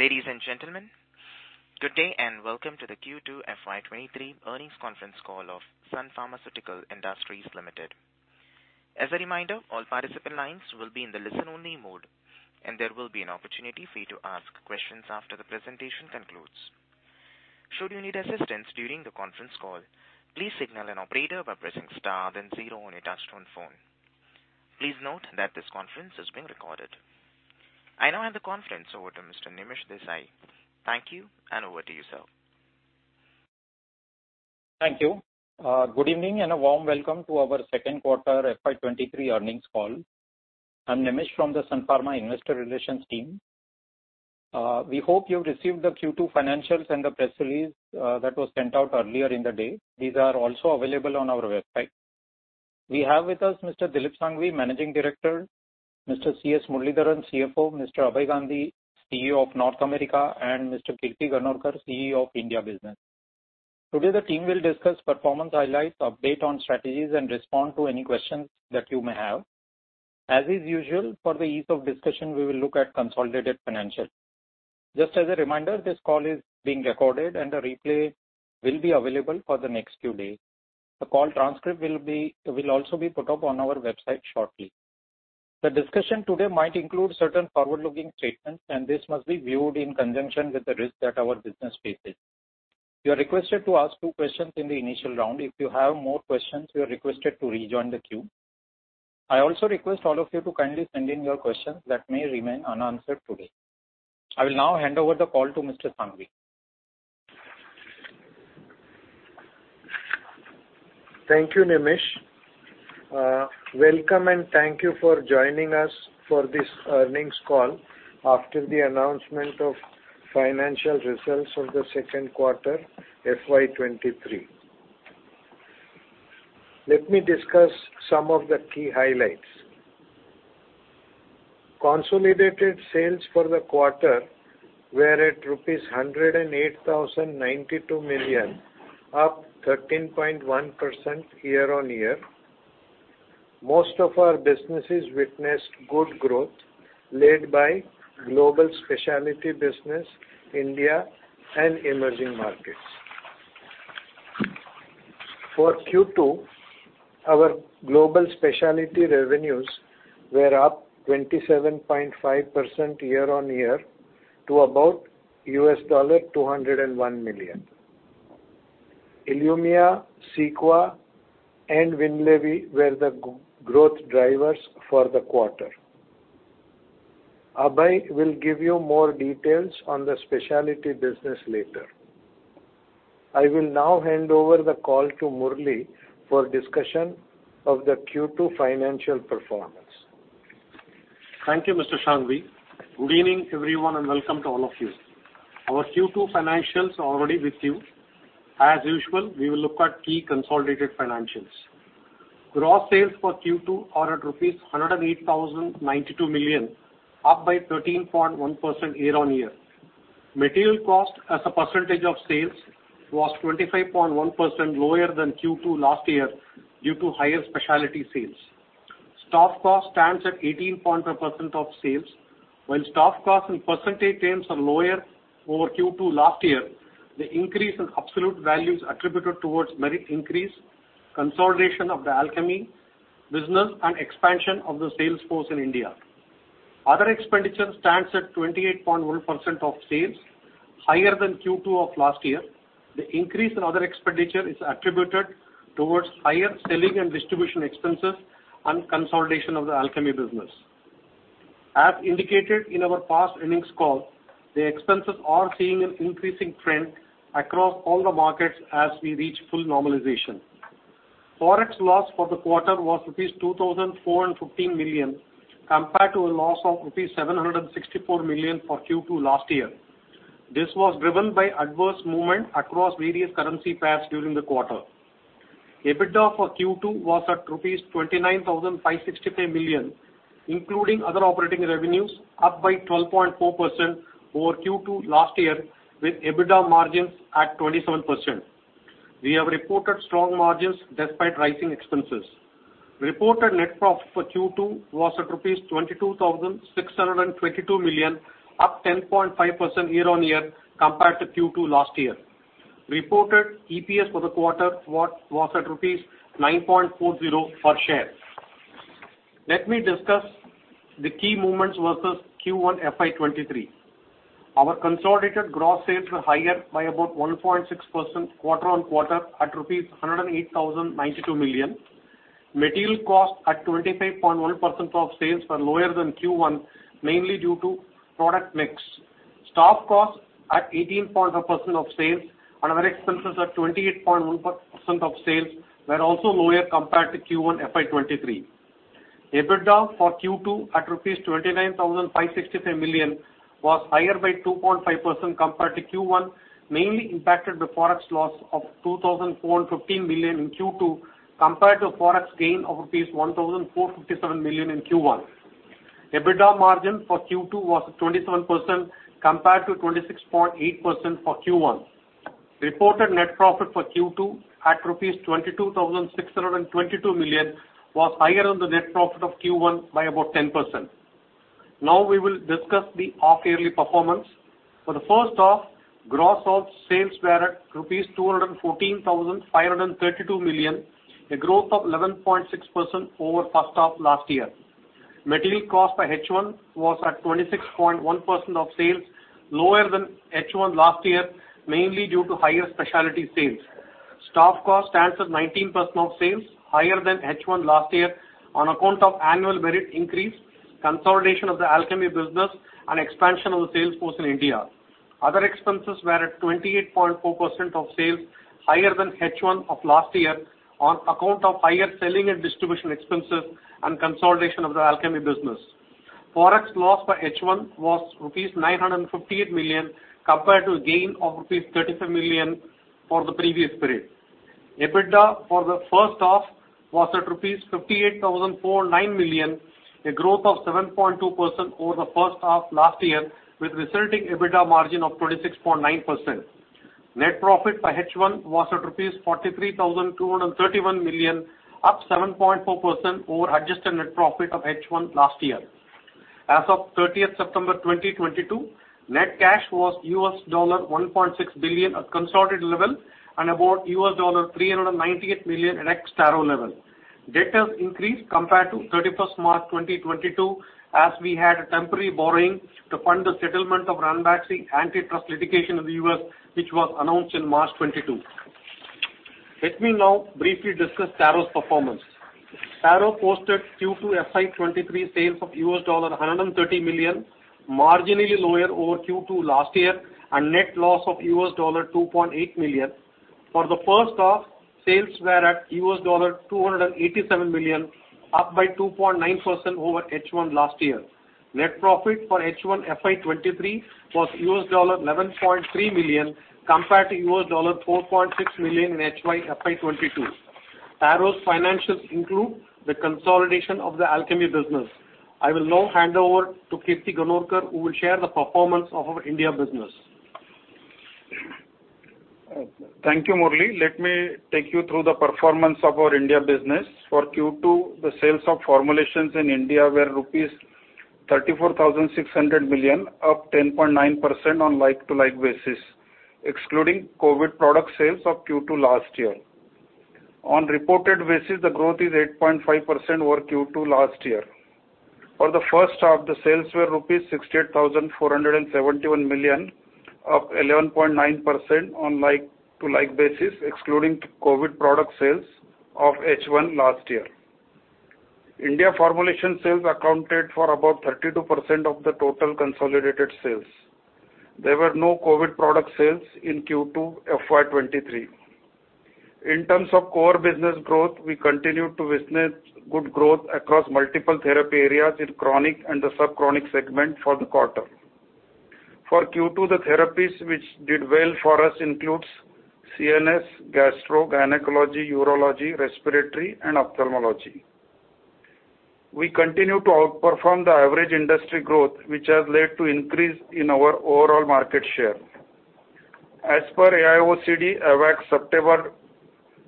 Ladies and gentlemen, good day and welcome to the Q2 FY23 Earnings Conference Call of Sun Pharmaceutical Industries Limited. As a reminder, all participant lines will be in the listen-only mode, and there will be an opportunity for you to ask questions after the presentation concludes. Should you need assistance during the conference call, please signal an operator by pressing star then zero on your touchtone phone. Please note that this conference is being recorded. I now hand the conference over to Mr. Nimish Desai. Thank you, and over to you, sir. Thank you. Good evening and a warm welcome to our Second quarter FY 23 Earnings Call. I'm Nimish from the Sun Pharma Investor Relations team. We hope you received the Q2 financials and the press release that was sent out earlier in the day. These are also available on our website. We have with us Mr. Dilip Shanghvi, Managing Director, Mr. CS Muralidharan, CFO, Mr. Abhay Gandhi, CEO of North America, and Mr. Kirti Ganorkar, CEO of India business. Today, the team will discuss performance highlights, update on strategies, and respond to any questions that you may have. As is usual, for the ease of discussion, we will look at consolidated financials. Just as a reminder, this call is being recorded and a replay will be available for the next few days. The call transcript will also be put up on our website shortly. The discussion today might include certain forward-looking statements, and this must be viewed in conjunction with the risk that our business faces. You are requested to ask two questions in the initial round. If you have more questions, you are requested to rejoin the queue. I also request all of you to kindly send in your questions that may remain unanswered today. I will now hand over the call to Mr. Shanghvi. Thank you, Nimish. Welcome and thank you for joining us for this earnings call after the announcement of financial results of the second quarter FY 2023. Let me discuss some of the key highlights. Consolidated sales for the quarter were at rupees 108,092 million, up 13.1% year-on-year. Most of our businesses witnessed good growth led by global specialty business, India and emerging markets. For Q2, our global specialty revenues were up 27.5% year-on-year to about $201 million. ILUMYA, CEQUA, and WINLEVI were the growth drivers for the quarter. Abhay will give you more details on the specialty business later. I will now hand over the call to Muralidharan for discussion of the Q2 financial performance. Thank you, Mr. Shanghvi. Good evening, everyone, and welcome to all of you. Our Q2 financials are already with you. As usual, we will look at key consolidated financials. Gross sales for Q2 are at INR 108,092 million, up by 13.1% year-on-year. Material cost as a percentage of sales was 25.1% lower than Q2 last year due to higher specialty sales. Staff cost stands at 18.2% of sales. While staff cost in percentage terms are lower over Q2 last year, the increase in absolute value is attributed toward merit increase, consolidation of the Alchemee business and expansion of the sales force in India. Other expenditure stands at 28.1% of sales, higher than Q2 of last year. The increase in other expenditure is attributed towards higher selling and distribution expenses and consolidation of the Alchemee business. As indicated in our past earnings call, the expenses are seeing an increasing trend across all the markets as we reach full normalization. Forex loss for the quarter was 2,415 million, compared to a loss of 764 million for Q2 last year. This was driven by adverse movement across various currency pairs during the quarter. EBITDA for Q2 was at INR 29,565 million, including other operating revenues, up by 12.4% over Q2 last year with EBITDA margins at 27%. We have reported strong margins despite rising expenses. Reported net profit for Q2 was at rupees 22,622 million, up 10.5% year-on-year compared to Q2 last year. Reported EPS for the quarter was at rupees 9.40 per share. Let me discuss the key movements versus Q1 FY 2023. Our consolidated gross sales were higher by about 1.6% quarter-on-quarter at rupees 108,092 million. Material cost at 25.1% of sales were lower than Q1, mainly due to product mix. Staff costs at 18.2% of sales and other expenses at 28.1% of sales were also lower compared to Q1 FY 2023. EBITDA for Q2 at INR 29,565 million was higher by 2.5% compared to Q1, mainly impacted by Forex loss of 2,415 million in Q2 compared to a Forex gain of INR 1,457 million in Q1. EBITDA margin for Q2 was at 27% compared to 26.8% for Q1. Reported net profit for Q2 at rupees 22,622 million was higher than the net profit of Q1 by about 10%. Now we will discuss the half-yearly performance. For the first half, gross sales were at rupees 214,532 million, a growth of 11.6% over first half last year. Material cost for H1 was at 26.1% of sales, lower than H1 last year, mainly due to higher specialty sales. Staff cost stands at 19% of sales, higher than H1 last year on account of annual merit increase, consolidation of the Alchemee business, and expansion of the sales force in India. Other expenses were at 28.4% of sales, higher than H1 of last year on account of higher selling and distribution expenses and consolidation of the Alchemee business. Forex loss for H1 was rupees 958 million, compared to a gain of rupees 35 million for the previous period. EBITDA for the first half was at rupees 58,490 million, a growth of 7.2% over the first half last year, with resulting EBITDA margin of 26.9%. Net profit by H1 was at rupees 43,231 million, up 7.4% over adjusted net profit of H1 last year. As of September 30, 2022, net cash was $1.6 billion at consolidated level and about $398 million at ex-Taro level. Debt has increased compared to 31st March 2022, as we had temporary borrowing to fund the settlement of Ranbaxy antitrust litigation in the US, which was announced in March 2022. Let me now briefly discuss Taro's performance. Taro posted Q2 FY23 sales of $100 million, marginally lower over Q2 last year, and net loss of $2.8 million. For the first half, sales were at $287 million, up by 2.9% over H1 last year. Net profit for H1 FY23 was $11.3 million compared to $4.6 million in H1 FY22. Taro's financials include the consolidation of the Alchemee business. I will now hand over to Kirti Ganorkar, who will share the performance of our India business. Thank you, Muralidharan. Let me take you through the performance of our India business. For Q2, the sales of formulations in India were rupees 34,600 million, up 10.9% on like-for-like basis, excluding COVID product sales of Q2 last year. On reported basis, the growth is 8.5% over Q2 last year. For the first half, the sales were rupees 68,471 million, up 11.9% on like-for-like basis, excluding COVID product sales of H1 last year. India formulation sales accounted for about 32% of the total consolidated sales. There were no COVID product sales in Q2 FY23. In terms of core business growth, we continued to witness good growth across multiple therapy areas in chronic and the sub-chronic segment for the quarter. For Q2, the therapies which did well for us include CNS, gastro, gynecology, urology, respiratory, and ophthalmology. We continue to outperform the average industry growth, which has led to increase in our overall market share. As per AIOCD AWACS September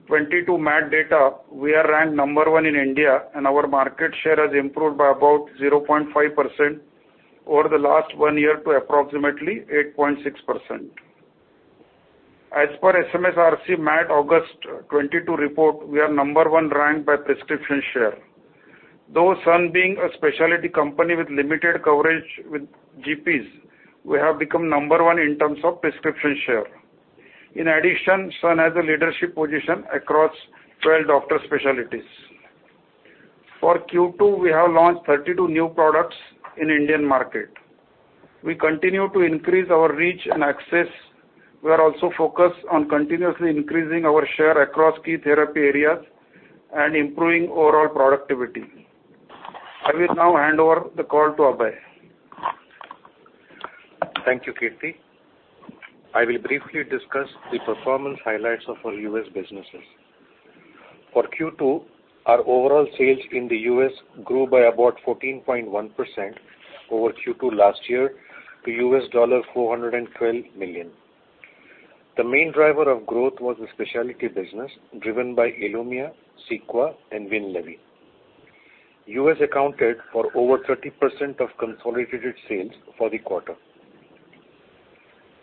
2022 MAT data, we are ranked number 1 in India, and our market share has improved by about 0.5% over the last 1 year to approximately 8.6%. As per SMSRC MAT August 2022 report, we are number 1 ranked by prescription share. Though Sun being a specialty company with limited coverage with GPs, we have become number 1 in terms of prescription share. In addition, Sun has a leadership position across 12 doctor specialties. For Q2, we have launched 32 new products in Indian market. We continue to increase our reach and access. We are also focused on continuously increasing our share across key therapy areas and improving overall productivity. I will now hand over the call to Abhay. Thank you, Kirti. I will briefly discuss the performance highlights of our U.S. businesses. For Q2, our overall sales in the U.S. grew by about 14.1% over Q2 last year to $412 million. The main driver of growth was the specialty business driven by ILUMYA, CEQUA, and WINLEVI. U.S. accounted for over 30% of consolidated sales for the quarter.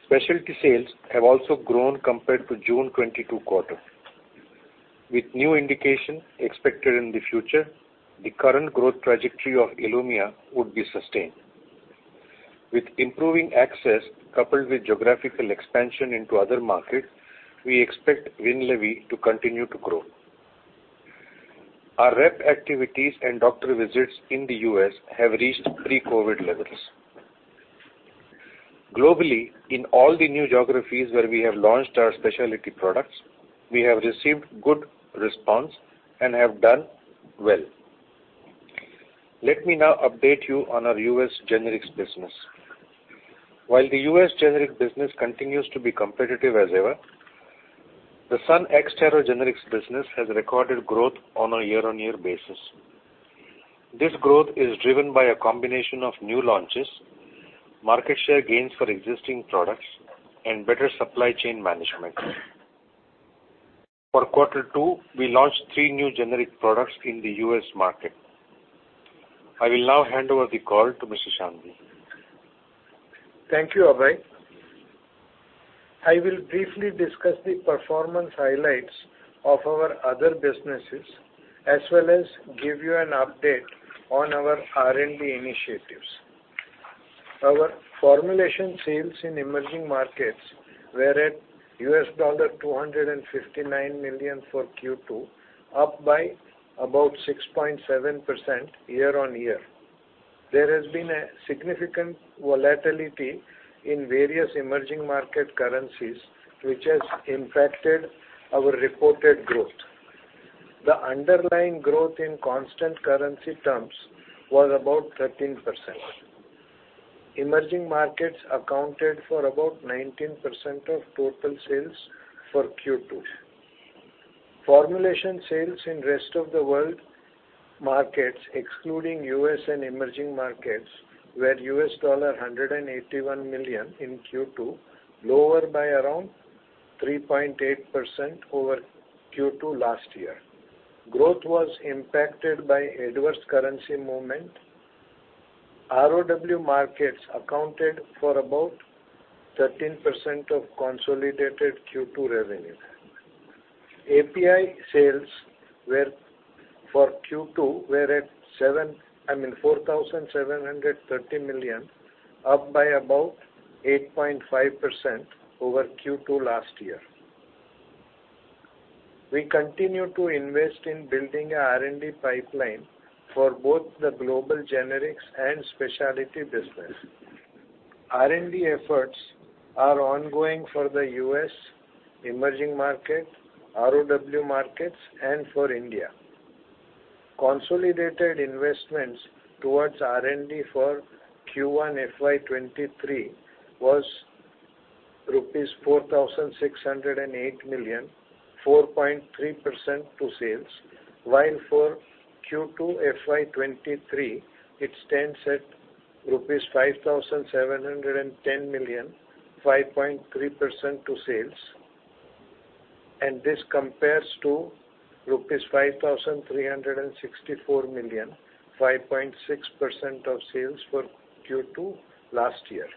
Specialty sales have also grown compared to June 2022 quarter. With new indication expected in the future, the current growth trajectory of ILUMYA would be sustained. With improving access coupled with geographical expansion into other markets, we expect WINLEVI to continue to grow. Our rep activities and doctor visits in the U.S. have reached pre-COVID levels. Globally, in all the new geographies where we have launched our specialty products, we have received good response and have done well. Let me now update you on our U.S. generics business. While the U.S. generic business continues to be competitive as ever, the Sun ex-Taro generics business has recorded growth on a year-on-year basis. This growth is driven by a combination of new launches, market share gains for existing products, and better supply chain management. For quarter two, we launched three new generic products in the U.S. market. I will now hand over the call to Mr. Shanghvi. Thank you, Abhay. I will briefly discuss the performance highlights of our other businesses, as well as give you an update on our R&D initiatives. Our formulation sales in emerging markets were at $259 million for Q2, up by about 6.7% year-on-year. There has been a significant volatility in various emerging market currencies, which has impacted our reported growth. The underlying growth in constant currency terms was about 13%. Emerging markets accounted for about 19% of total sales for Q2. Formulation sales in rest of the world markets, excluding U.S. and emerging markets, were $181 million in Q2, lower by around 3.8% over Q2 last year. Growth was impacted by adverse currency movement. ROW markets accounted for about 13% of consolidated Q2 revenue. API sales for Q2 were at 4,730 million, up by about 8.5% over Q2 last year. We continue to invest in building a R&D pipeline for both the global generics and specialty business. R&D efforts are ongoing for the U.S., emerging market, ROW markets, and for India. Consolidated investments towards R&D for Q1 FY 2023 was rupees 4,608 million, 4.3% to sales, while for Q2 FY 2023 it stands at rupees 5,710 million, 5.3% to sales, and this compares to rupees 5,364 million, 5.6% of sales for Q2 last year.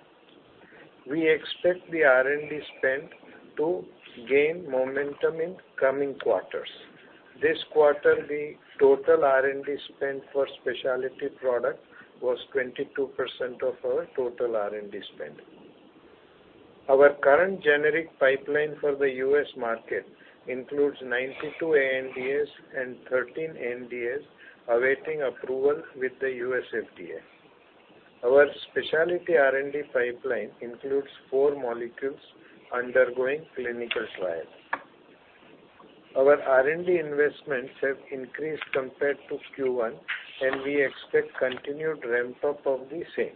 We expect the R&D spend to gain momentum in coming quarters. This quarter, the total R&D spend for specialty product was 22% of our total R&D spend. Our current generic pipeline for the U.S. market includes 92 ANDAs and 13 NDAs awaiting approval with the U.S. FDA. Our specialty R&D pipeline includes 4 molecules undergoing clinical trials. Our R&D investments have increased compared to Q1, and we expect continued ramp up of the same.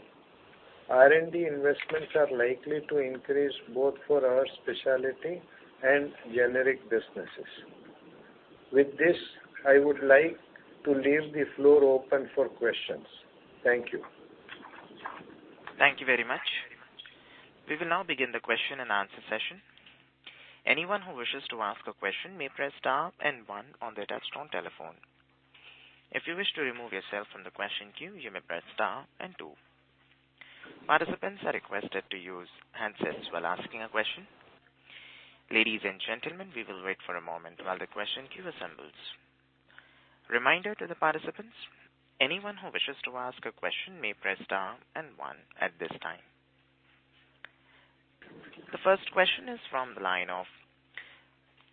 R&D investments are likely to increase both for our specialty and generic businesses. With this, I would like to leave the floor open for questions. Thank you. Thank you very much. We will now begin the question and answer session. Anyone who wishes to ask a question may press star and one on their touchtone telephone. If you wish to remove yourself from the question queue, you may press star and two. Participants are requested to use handsets while asking a question. Ladies and gentlemen, we will wait for a moment while the question queue assembles. Reminder to the participants, anyone who wishes to ask a question may press star and one at this time. The first question is from the line of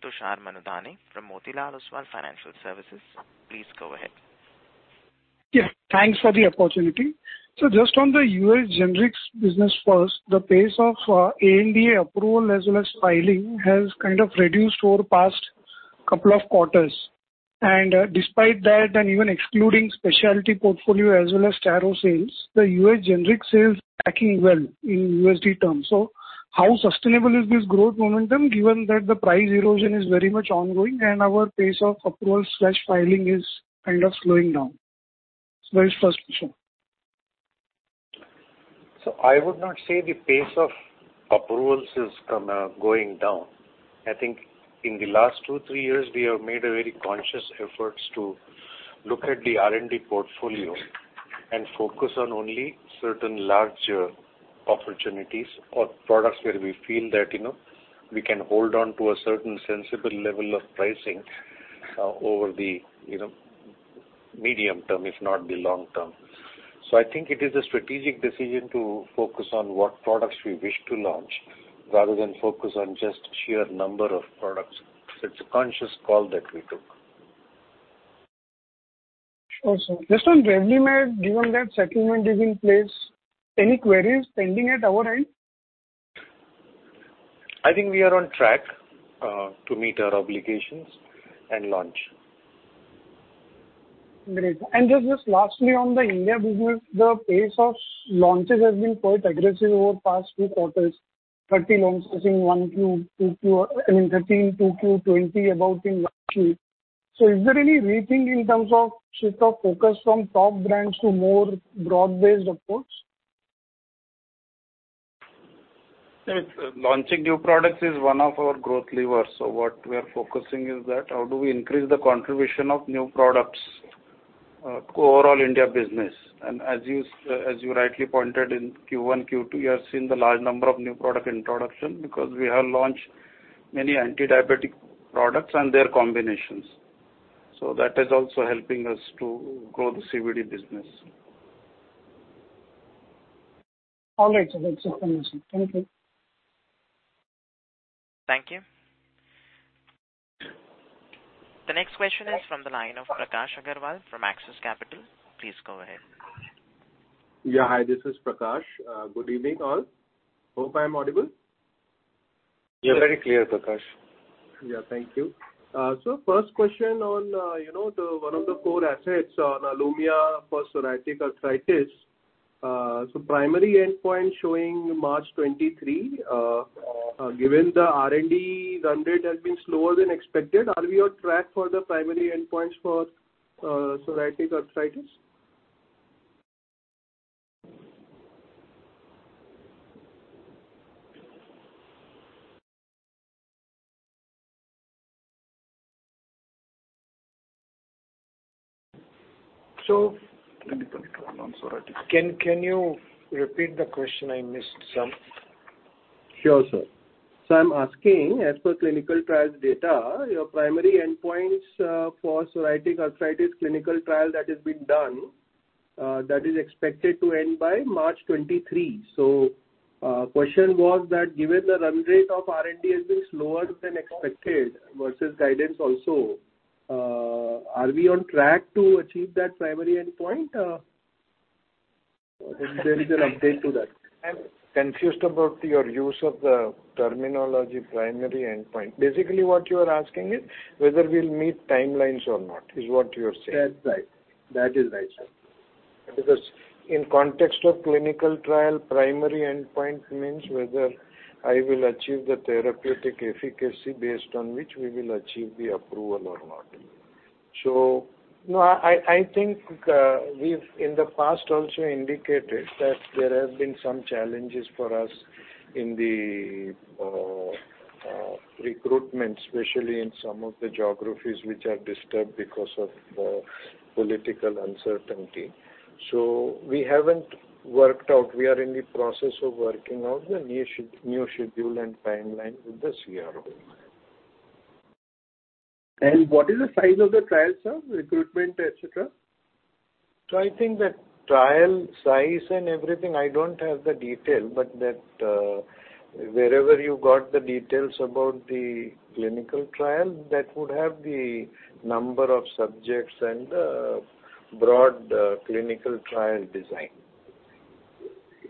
Tushar Manudhane from Motilal Oswal Financial Services. Please go ahead. Thanks for the opportunity. Just on the U.S. generics business first, the pace of ANDA approval as well as filing has kind of reduced over past couple of quarters. Despite that and even excluding specialty portfolio as well as Taro sales, the U.S. generic sales tracking well in USD terms. How sustainable is this growth momentum given that the price erosion is very much ongoing and our pace of approval/filing is kind of slowing down? It's my first question. I would not say the pace of approvals is going down. I think in the last two, three years, we have made a very conscious efforts to look at the R&D portfolio and focus on only certain larger opportunities or products where we feel that, you know, we can hold on to a certain sensible level of pricing over the, you know, medium term, if not the long term. I think it is a strategic decision to focus on what products we wish to launch rather than focus on just sheer number of products. It's a conscious call that we took. Awesome. Just on Revlimid, given that settlement is in place, any queries pending at our end? I think we are on track to meet our obligations and launch. Great. Just lastly on the India business, the pace of launches has been quite aggressive over the past few quarters. I mean, 13 in 2Q, about 20 in 1Q. Is there any rethink in terms of shift of focus from top brands to more broad-based approach? Yes. Launching new products is one of our growth levers. What we are focusing is that how do we increase the contribution of new products to overall India business. As you rightly pointed in Q1, Q2, you have seen the large number of new product introduction because we have launched many antidiabetic products and their combinations. That is also helping us to grow the CVD business. All right, sir. That's clear, sir. Thank you. Thank you. The next question is from the line of Prakash Agarwal from Axis Capital. Please go ahead. Hi, this is Prakash. Good evening, all. Hope I'm audible? You're very clear, Prakash. Thank you. First question on one of the core assets on ILUMYA for psoriatic arthritis. Primary endpoint showing March 2023. Given the R&D run rate has been slower than expected, are we on track for the primary endpoints for psoriatic arthritis? 2021 on psoriatic? Can you repeat the question? I missed some. Sure, sir. I'm asking as per clinical trials data, your primary endpoints for psoriatic arthritis clinical trial that is being done, that is expected to end by March 2023. Question was that given the run rate of R&D has been slower than expected versus guidance also, are we on track to achieve that primary endpoint? If there is an update to that. I'm confused about your use of the terminology primary endpoint. Basically, what you are asking is whether we'll meet timelines or not, is what you're saying. That's right. That is right, sir. Because in context of clinical trial, primary endpoint means whether I will achieve the therapeutic efficacy based on which we will achieve the approval or not. No, I think we've in the past also indicated that there have been some challenges for us in the recruitment, especially in some of the geographies which are disturbed because of political uncertainty. We haven't worked out. We are in the process of working out the new schedule and timeline with the CRO. What is the size of the trial, sir, recruitment, et cetera? I think that trial size and everything, I don't have the detail, but that, wherever you got the details about the clinical trial, that would have the number of subjects and broad clinical trial design.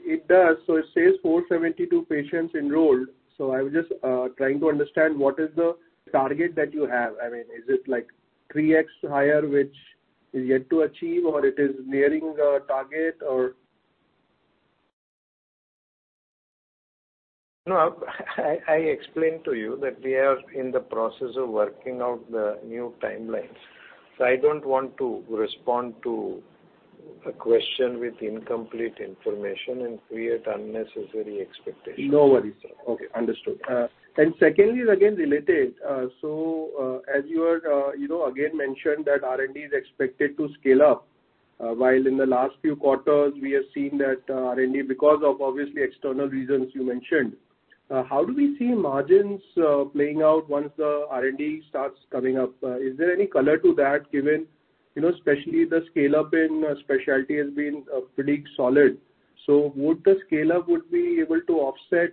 It does. It says 472 patients enrolled. I was just trying to understand what is the target that you have. I mean, is it like 3x higher, which is yet to achieve or it is nearing the target or? No, I explained to you that we are in the process of working out the new timelines. I don't want to respond to a question with incomplete information and create unnecessary expectations. No worries, sir. Okay, understood. Secondly is again related. As you are, you know, again mentioned that R&D is expected to scale up, while in the last few quarters we have seen that R&D because of obviously external reasons you mentioned. How do we see margins playing out once the R&D starts coming up? Is there any color to that given, you know, especially the scale-up in specialty has been pretty solid. The scale-up would be able to offset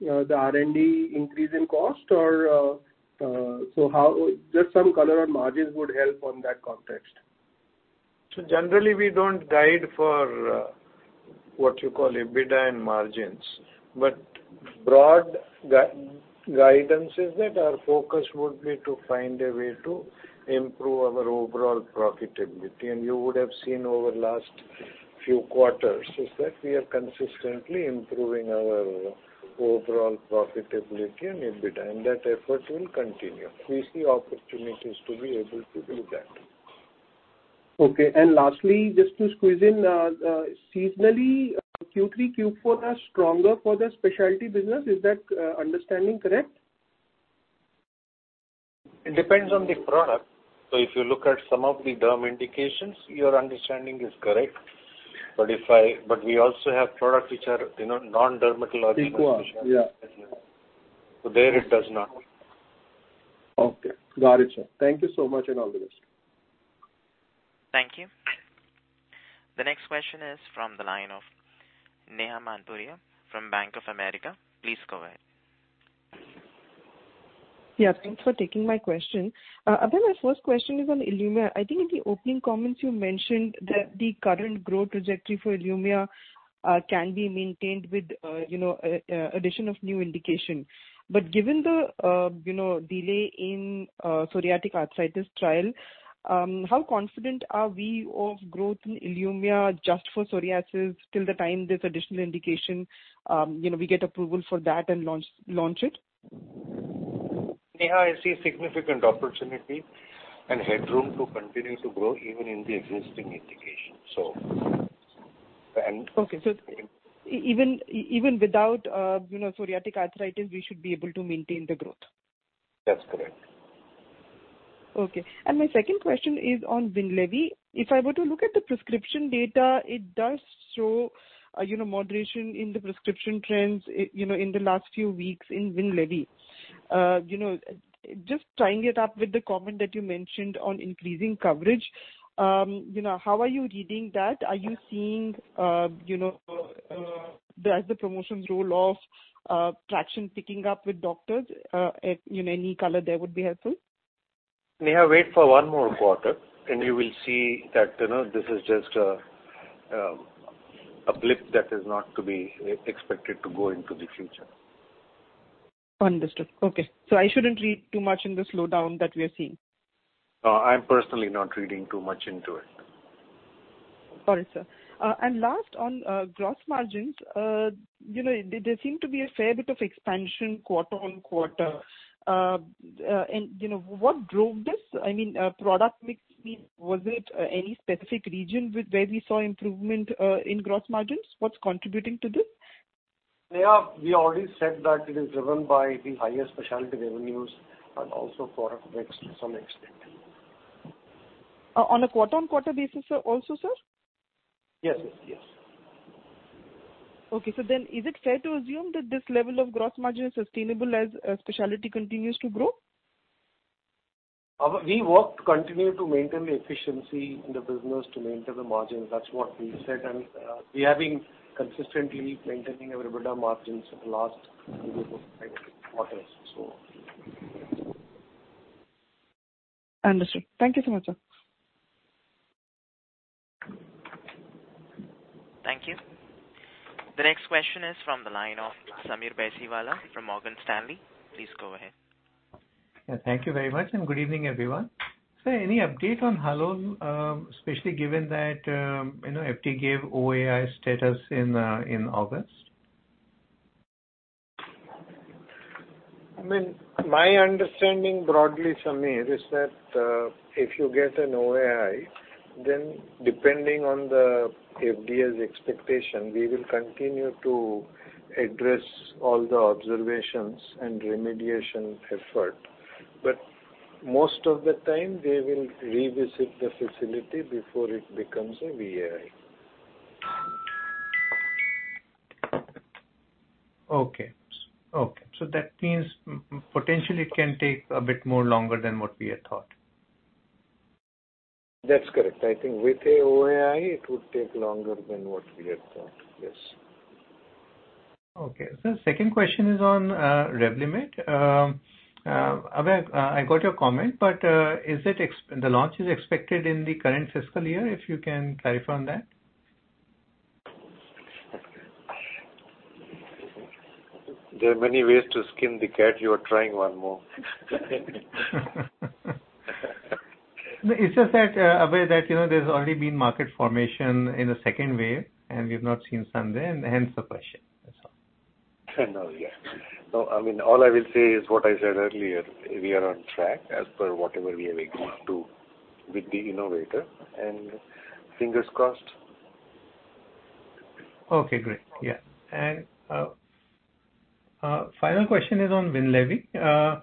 the R&D increase in cost. Just some color on margins would help on that context. Generally we don't guide for what you call EBITDA and margins, but broad guidance is that our focus would be to find a way to improve our overall profitability. You would have seen over last few quarters is that we are consistently improving our overall profitability and EBITDA, and that effort will continue. We see opportunities to be able to do that. Okay. Lastly, just to squeeze in, seasonally Q3, Q4 are stronger for the specialty business. Is that understanding correct? It depends on the product. If you look at some of the derm indications, your understanding is correct. We also have products which are non-dermatological there it does not. Okay. Got it, sir. Thank you so much and all the best. Thank you. The next question is from the line of Neha Manpuria from Bank of America. Please go ahead. Thanks for taking my question. Abhay, my first question is on ILUMYA. I think in the opening comments you mentioned that the current growth trajectory for ILUMYA can be maintained with you know addition of new indication. But given the you know delay in psoriatic arthritis trial, how confident are we of growth in ILUMYA just for psoriasis till the time this additional indication we get approval for that and launch it? Neha, I see significant opportunity and headroom to continue to grow even in the existing indication. Okay. Even without, you know, psoriatic arthritis, we should be able to maintain the growth. That's correct. Okay. My second question is on WINLEVI. If I were to look at the prescription data, it does show, you know, moderation in the prescription trends, you know, in the last few weeks in WINLEVI. You know, just tying it up with the comment that you mentioned on increasing coverage, you know, how are you reading that? Are you seeing, you know, as the promotions roll off, traction picking up with doctors? You know, any color there would be helpful. Neha, wait for one more quarter, and you will see that, you know, this is just a blip that is not to be expected to go into the future. Understood. Okay. I shouldn't read too much into the slowdown that we are seeing. No, I'm personally not reading too much into it. Got it, sir. Last on gross margins. You know, there seem to be a fair bit of expansion quarter-on-quarter. You know, what drove this? I mean, product mix. I mean, was it any specific region where we saw improvement in gross margins? What's contributing to this? Neha, we already said that it is driven by the highest specialty revenues and also product mix to some extent. On a quarter-on-quarter basis, sir, also, sir? Yes, yes. Is it fair to assume that this level of gross margin is sustainable as specialty continues to grow? We work to continue to maintain the efficiency in the business to maintain the margins. That's what we said. We have been consistently maintaining our EBITDA margins for the last 2-5 quarters. Understood. Thank you so much, sir. Thank you. The next question is from the line of Sameer Baisiwala from Morgan Stanley. Please go ahead. Thank you very much, and good evening, everyone. Any update on Halol, especially given that, you know, FDA gave OAI status in August? I mean, my understanding broadly, Sameer, is that, if you get an OAI, then depending on the FDA's expectation, we will continue to address all the observations and remediation effort. Most of the time they will revisit the facility before it becomes a VAI. Okay. That means potentially it can take a bit more longer than what we had thought. That's correct. I think with the OAI it would take longer than what we had thought. Yes. Okay. Sir, second question is on Revlimid. Abhay, I got your comment, but the launch is expected in the current fiscal year, if you can clarify on that. There are many ways to skin the cat. You are trying one more. No, it's just that, Abhay, that there's already been market formation in the second wave and we've not seen some there, and hence the question. That's all. No, I mean, all I will say is what I said earlier, we are on track as per whatever we have agreed to with the innovator, and fingers crossed. Final question is on WINLEVI.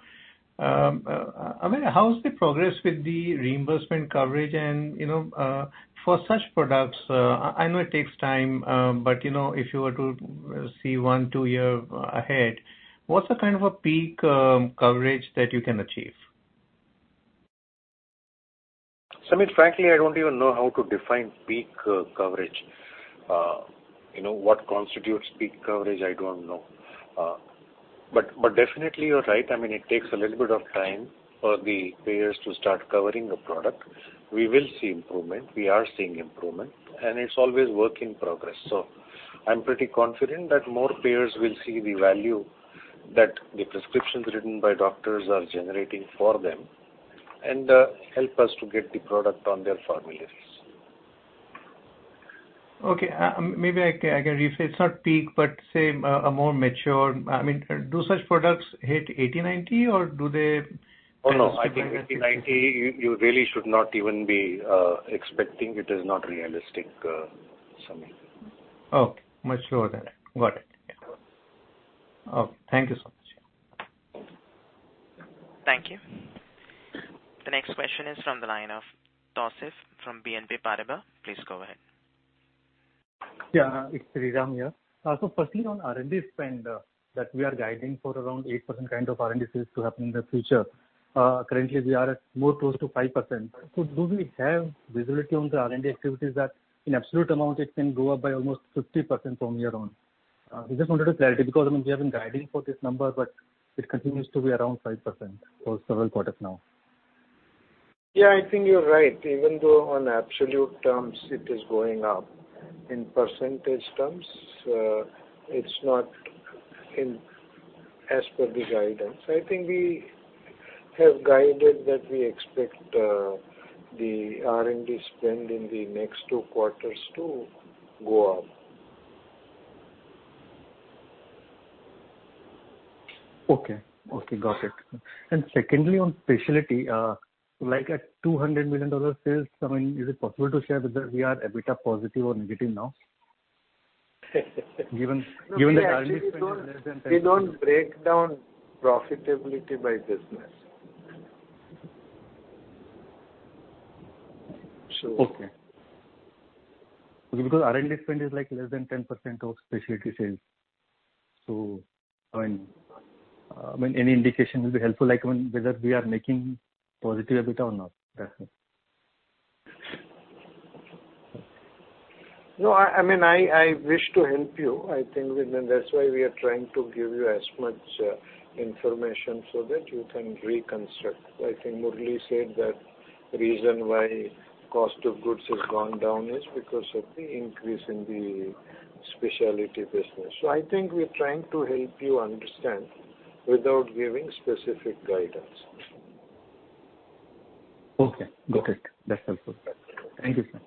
Abhay, how is the progress with the reimbursement coverage and, you know, for such products, I know it takes time, but, you know, if you were to see one or two years ahead, what's the kind of a peak coverage that you can achieve? Sameer, frankly, I don't even know how to define peak coverage. You know, what constitutes peak coverage, I don't know. But definitely you're right. I mean, it takes a little bit of time for the payers to start covering a product. We will see improvement. We are seeing improvement, and it's always work in progress. So I'm pretty confident that more payers will see the value that the prescriptions written by doctors are generating for them and help us to get the product on their formularies. Okay. Maybe I can rephrase. Not peak, but say, a more mature. Do such products hit 80%-90% or do they? Oh, no. I think 80%-90% you really should not even be expecting. It is not realistic, Sameer. Okay. Much lower than. Got it. Okay. Thank you so much. Thank you. The next question is from the line of Tausif from BNP Paribas. Please go ahead. It's Sriram here. Firstly on R&D spend, that we are guiding for around 8% kind of R&D sales to happen in the future. Currently we are at more close to 5%. Do we have visibility on the R&D activities that in absolute amount it can go up by almost 50% from here on? I just wanted a clarity because, I mean, we have been guiding for this number, but it continues to be around 5% for several quarters now. I think you're right. Even though on absolute terms it is going up, in percentage terms, it's not as per the guidance. I think we have guided that we expect the R&D spend in the next two quarters to go up. Okay, got it. Secondly, on specialty, like at $200 million sales, I mean, is it possible to share with us we are EBITDA positive or negative now? Given the R&D spend is less than 10%? We don't break down profitability by business. Okay. Because R&D spend is like less than 10% of specialty sales. I mean, when any indication will be helpful, like when whether we are making positive EBITDA or not, that's it. No, I mean, I wish to help you. I think that's why we are trying to give you as much information so that you can reconstruct. I think CS Muralidharan said that reason why cost of goods has gone down is because of the increase in the specialty business. I think we're trying to help you understand without giving specific guidance. Okay. Got it. That's helpful. Thank you, sir.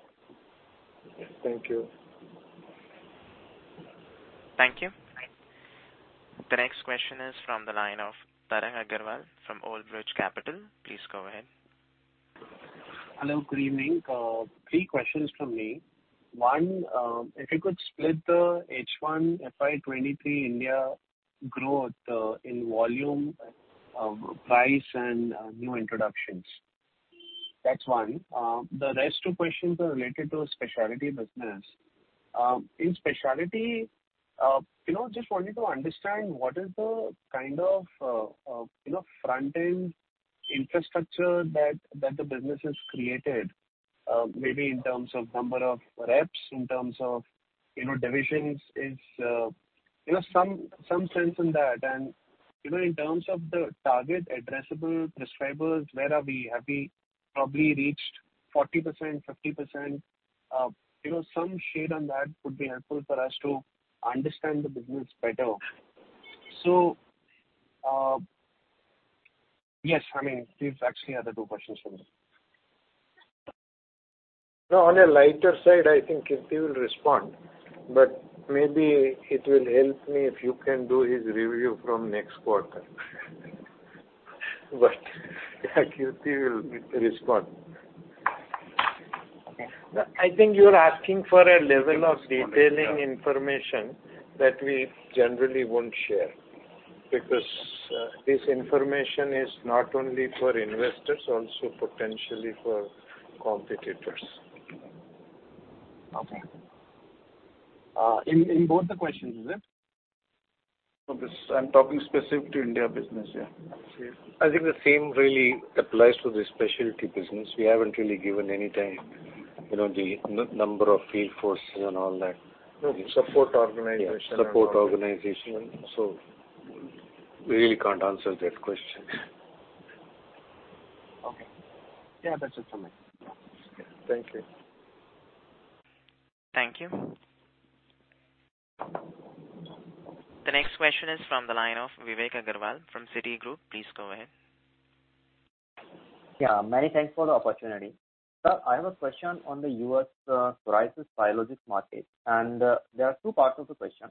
Thank you. Thank you. The next question is from the line of Tarang Agrawal from Old Bridge Capital. Please go ahead. Hello, good evening. Three questions from me. One, if you could split the H1 FY 2023 India growth in volume, price and new introductions. That's one. The other two questions are related to specialty business. In specialty, you know, just wanted to understand what is the kind of, you know, front-end infrastructure that the business has created, maybe in terms of number of reps, in terms of, you know, divisions is, you know, some sense in that. You know, in terms of the target addressable prescribers, where are we? Have we probably reached 40%, 50%? You know, some shade on that would be helpful for us to understand the business better. Yes, I mean, these actually are the two questions from me. No, on a lighter side, I think Kirti will respond, but maybe it will help me if you can do his review from next quarter. Kirti will respond. No, I think you're asking for a level of detailed information that we generally won't share because this information is not only for investors, also potentially for competitors. Okay. In both the questions, is it? Because I'm talking specific to India business. I think the same really applies to the specialty business. We haven't really given any time, you know, the number of field forces and all that. No. Support organization. We really can't answer that question. Okay. That's it from me. Thank you. Thank you. The next question is from the line of Vivek Agarwal from Citigroup. Please go ahead. Many thanks for the opportunity. Sir, I have a question on the U.S. psoriasis biologics market, and there are two parts of the question.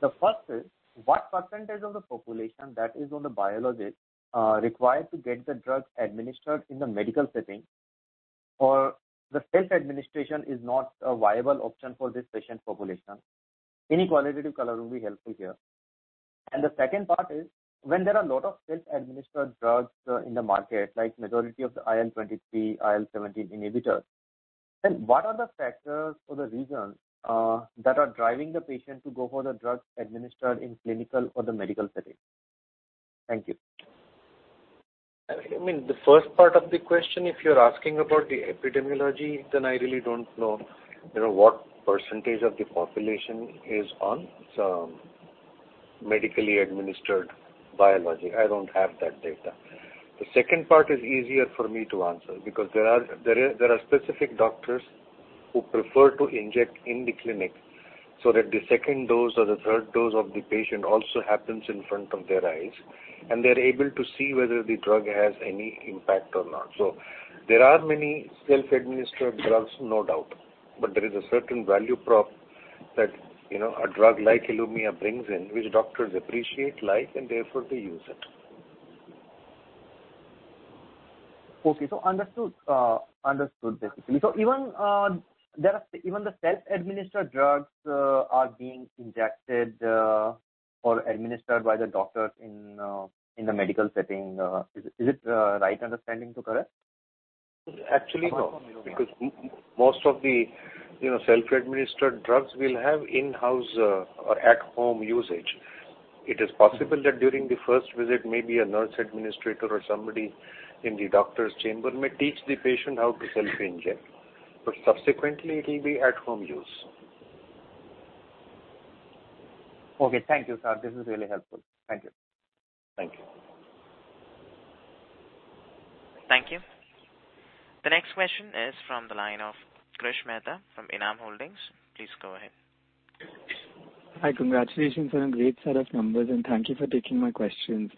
The first is, what percentage of the population that is on the biologics require to get the drugs administered in the medical setting or the self-administration is not a viable option for this patient population? Any qualitative color will be helpful here. The second part is, when there are a lot of self-administered drugs in the market, like majority of the IL-23, IL-17 inhibitors, then what are the factors or the reasons that are driving the patient to go for the drugs administered in clinical or the medical setting? Thank you. The first part of the question, if you're asking about the epidemiology, then I really don't know, you know, what percentage of the population is on some medically administered biologic. I don't have that data. The second part is easier for me to answer because there are specific doctors who prefer to inject in the clinic so that the second dose or the third dose of the patient also happens in front of their eyes, and they're able to see whether the drug has any impact or not. There are many self-administered drugs, no doubt, but there is a certain value prop that, you know, a drug like ILUMYA brings in, which doctors appreciate, like, and therefore they use it. Okay. Understood, basically. Even the self-administered drugs are being injected or administered by the doctors in the medical setting. Is it right understanding to correct? Actually, no. Because most of the, you know, self-administered drugs will have in-house, or at home usage. It is possible that during the first visit, maybe a nurse administrator or somebody in the doctor's chamber may teach the patient how to self-inject. Subsequently it will be at home use. Okay. Thank you, sir. This is really helpful. Thank you. Thank you. Thank you. The next question is from the line of Krish Mehta from Enam Holdings. Please go ahead. Hi. Congratulations on a great set of numbers, and thank you for taking my questions.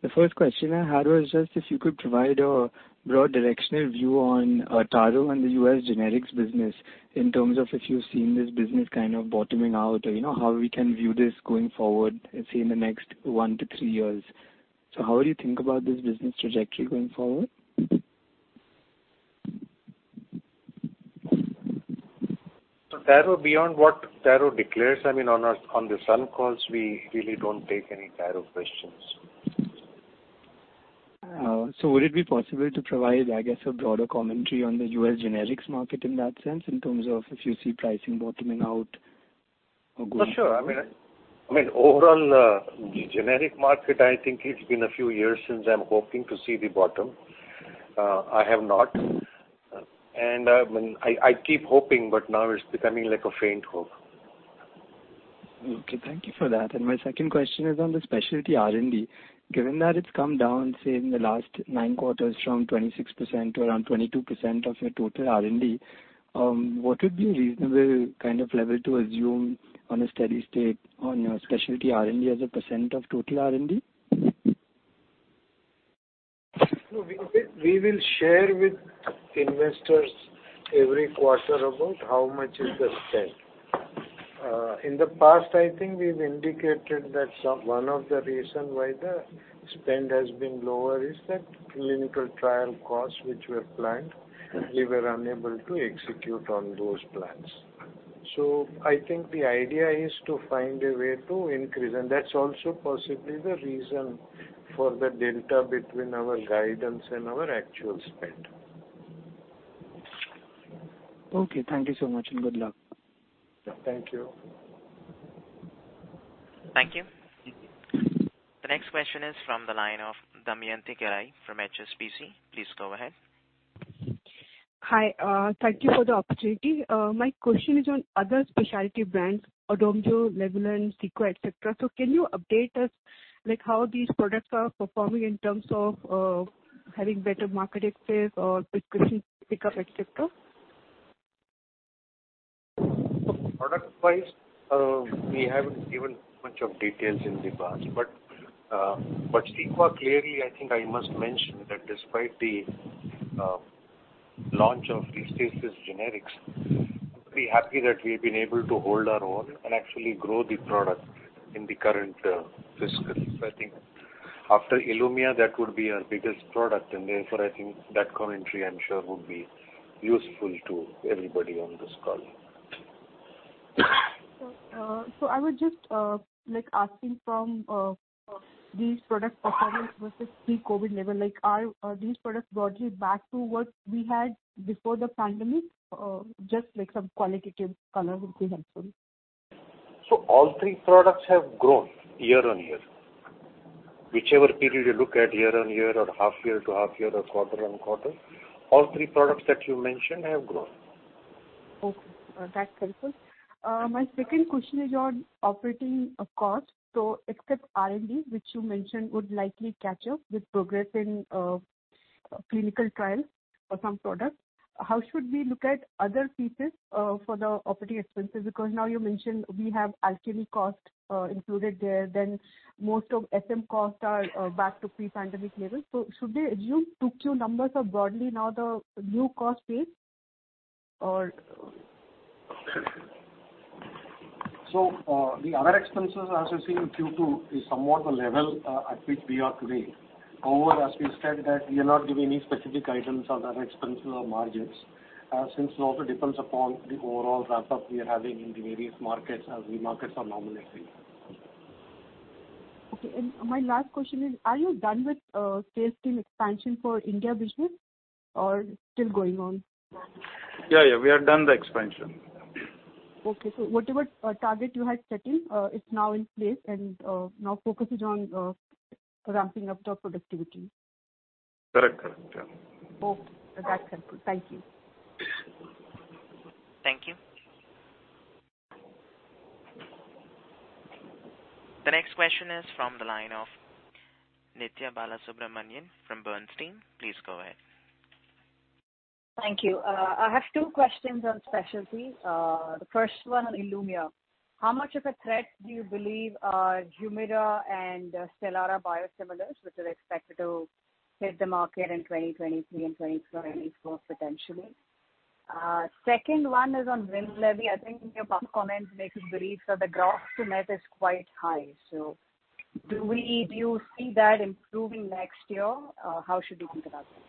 The first question I had was just if you could provide a broad directional view on Taro and the U.S. generics business in terms of if you're seeing this business kind of bottoming out or, you know, how we can view this going forward, say, in the next 1-3 years. How do you think about this business trajectory going forward? Taro, beyond what Taro declares, I mean, on this earnings calls, we really don't take any Taro questions. Would it be possible to provide, I guess, a broader commentary on the U.S. generics market in that sense, in terms of if you see pricing bottoming out or going? For sure. I mean, overall, the generic market, I think it's been a few years since I'm hoping to see the bottom. I have not. I mean, I keep hoping, but now it's becoming like a faint hope. Okay, thank you for that. My second question is on the specialty R&D. Given that it's come down, say, in the last 9 quarters from 26% to around 22% of your total R&D, what would be reasonable kind of level to assume on a steady state on your specialty R&D as a % of total R&D? No, we will share with investors every quarter about how much is the spend. In the past, I think we've indicated that one of the reason why the spend has been lower is that clinical trial costs which were planned, we were unable to execute on those plans. I think the idea is to find a way to increase, and that's also possibly the reason for the delta between our guidance and our actual spend. Okay, thank you so much and good luck. Thank you. Thank you. The next question is from the line of Damayanti Kerai from HSBC. Please go ahead. Hi, thank you for the opportunity. My question is on other specialty brands ODOMZO, WINLEVI, CEQUA, et cetera. Can you update us, like, how these products are performing in terms of having better market access or prescription pick up, et cetera? Product-wise, we haven't given much of details in the past, but CEQUA clearly I think I must mention that despite the launch of Restasis generics, pretty happy that we've been able to hold our own and actually grow the product in the current fiscal. So I think after ILUMYA, that would be our biggest product. Therefore, I think that commentary, I'm sure, would be useful to everybody on this call. I would just like to ask about these product performance versus pre-COVID level, like are these products broadly back to what we had before the pandemic? Just like some qualitative color would be helpful. All three products have grown year-on-year. Whichever period you look at, year-on-year or half-year to half-year or quarter-on-quarter, all three products that you mentioned have grown. Okay. That's helpful. My second question is on operating costs. Except R&D, which you mentioned would likely catch up with progress in clinical trials for some products, how should we look at other pieces for the operating expenses? Because now you mentioned we have Alchemee costs included there, then most of S&M costs are back to pre-pandemic levels. Should we assume 2Q numbers are broadly now the new cost base, or? The other expenses as you've seen in Q2 is somewhat the level at which we are today. However, as we said that we are not giving any specific guidance on other expenses or margins, since it also depends upon the overall ramp up we are having in the various markets as the markets are normalizing. Okay. My last question is, are you done with sales team expansion for India business or still going on? We are done the expansion. Okay. Whatever target you had set in is now in place and now focus is on ramping up the productivity. Correct. Okay. That's helpful. Thank you. Thank you. The next question is from the line of Nithya Balasubramanian from Bernstein. Please go ahead. Thank you. I have two questions on specialty. The first one on ILUMYA. How much of a threat do you believe HUMIRA and STELARA biosimilars, which are expected to hit the market in 2023 and 2024 potentially? Second one is on WINLEVI. I think your past comments makes us believe that the gross to net is quite high. Do you see that improving next year? How should we think about that?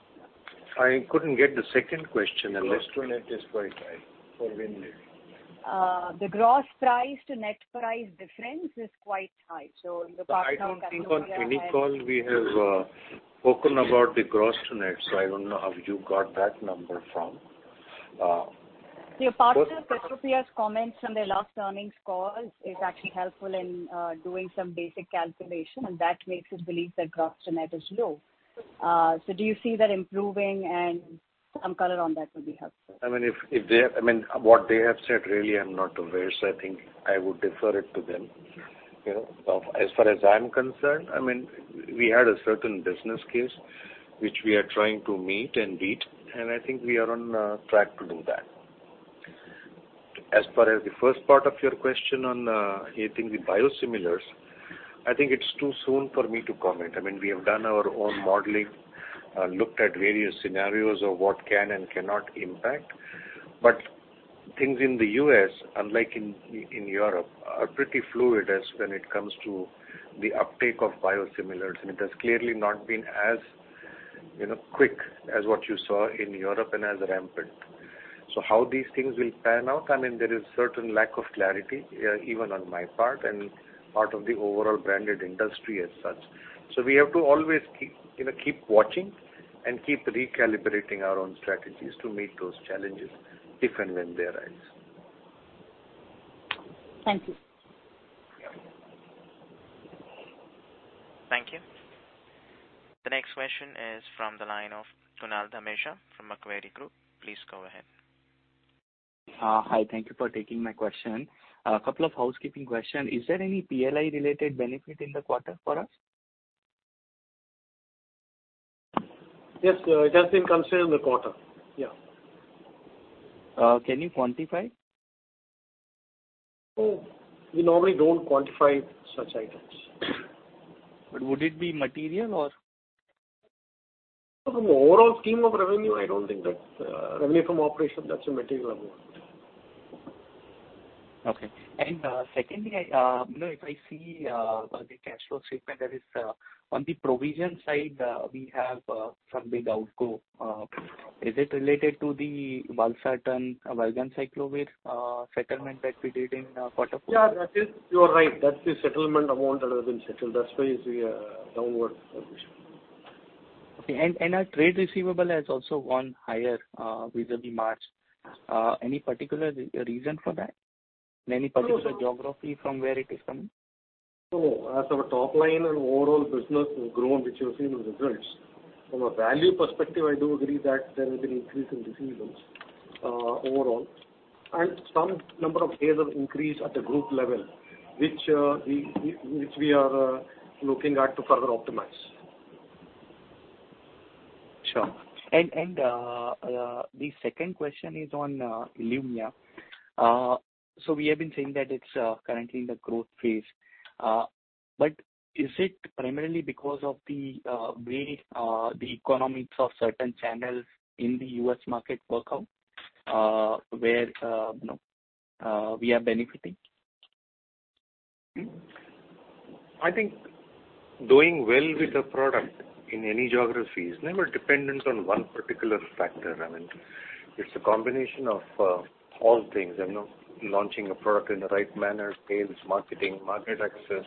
I couldn't get the second question. Gross to net is quite high for WINLEVI. The gross price to net price difference is quite high. I don't think on any call we have spoken about the gross to net, so I don't know how you got that number from. Your partner Perrigo's comments from their last earnings call is actually helpful in doing some basic calculation, and that makes us believe that gross to net is low. Do you see that improving? Some color on that would be helpful. What they have said really I'm not aware, so I think I would defer it to them. You know? As far as I'm concerned, we had a certain business case which we are trying to meet and beat, and I think we are on track to do that. As per the first part of your question on, I think the biosimilars, I think it's too soon for me to comment. I mean, we have done our own modeling, looked at various scenarios of what can and cannot impact. But things in the U.S., unlike in Europe, are pretty fluid as when it comes to the uptake of biosimilars, and it has clearly not been as, you know, quick as what you saw in Europe and as rampant. How these things will pan out, I mean, there is certain lack of clarity, even on my part and part of the overall branded industry as such. We have to always keep, you know, keep watching and keep recalibrating our own strategies to meet those challenges different when they arise. Thank you. Thank you. The next question is from the line of Kunal Dhamesha from Macquarie Group. Please go ahead. Hi. Thank you for taking my question. A couple of housekeeping question. Is there any PLI related benefit in the quarter for us? Yes, it has been considered in the quarter. Can you quantify? No. We normally don't quantify such items. Would it be material or? From the overall scheme of revenue, I don't think that's revenue from operations. That's a material amount. Secondly, if I see the cash flow statement, there is, on the provision side, we have some big outgo. Is it related to the Valsartan, Valganciclovir settlement that we did in Q4? That is. You are right. That's the settlement amount that has been settled. That's why you see a downward revision. Okay, our trade receivable has also gone higher vis-à-vis March. Any particular reason for that? Any particular geography from where it is coming? As our top line and overall business has grown, which you've seen in the results, from a value perspective, I do agree that there will be an increase in receivables overall. Some number of days of increase at the group level, which we are looking at to further optimize. Sure. The second question is on ILUMYA. We have been saying that it's currently in the growth phase. Is it primarily because of the way the economics of certain channels in the U.S. market work out, where you know we are benefiting? I think doing well with a product in any geography is never dependent on one particular factor. I mean, it's a combination of all things. You know, launching a product in the right manner, sales, marketing, market access,